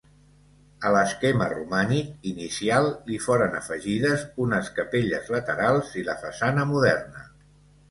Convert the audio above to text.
A l'esquema romànic inicial li foren afegides unes capelles laterals i la façana moderna.